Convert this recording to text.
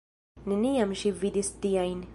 Neniam ŝi vidis tiajn!